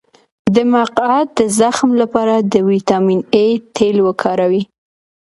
د مقعد د زخم لپاره د ویټامین اي تېل وکاروئ